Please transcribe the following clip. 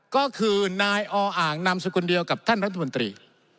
ก็คือนายออนำสักคนเดียวกับท่านรัฐมนตรี